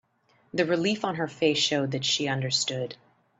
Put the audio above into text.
The relief on her face showed that she understood.